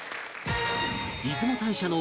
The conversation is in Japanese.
出雲大社の